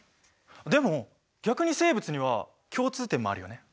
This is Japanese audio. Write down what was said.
でも逆に生物には共通点もあるよね。